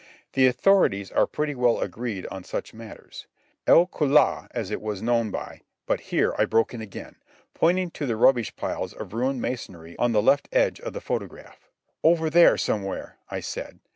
The authorities are pretty well agreed on such matters. El Kul'ah, as it was known by—" But here I broke in again, pointing to rubbish piles of ruined masonry on the left edge of the photograph. "Over there somewhere," I said.